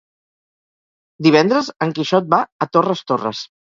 Divendres en Quixot va a Torres Torres.